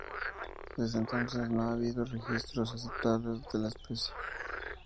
Desde entonces no ha habido registros aceptables de la especie.